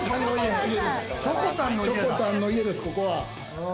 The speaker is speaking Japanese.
しょこたんの家です、ここは。